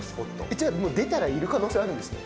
じゃあ、出たらいる可能性があるんですね。